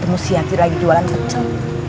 temu ci yati lagi jualan pecel